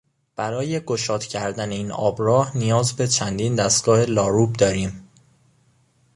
برای گشاد کردن این آبراه نیاز به چندین دستگاه لاروب داریم.